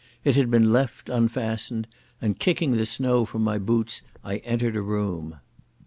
It had been left unfastened, and, kicking the snow from my boots, I entered a room.